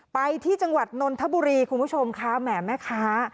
ไปที่จังหวัดนนทบุรีคุณผู้ชมคะแหมแม่ค้า